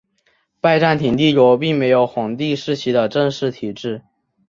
拜占庭帝国并没有皇帝世袭的正式体制。